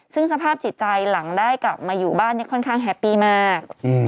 ซึ่งสภาพจิตใจหลังได้กลับมาอยู่บ้านค่อนข้างแฮปปี้มาก